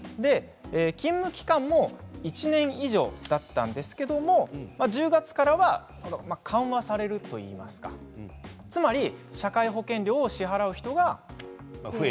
勤務期間も１年以上だったんですけれど１０月からは緩和されるといいますかつまり社会保険料を支払う人が。